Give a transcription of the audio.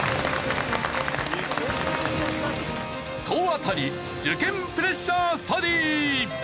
総当たり受験プレッシャースタディ。